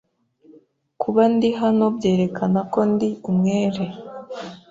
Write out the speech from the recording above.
Kuba ndi hano byerekana ko ndi umwere.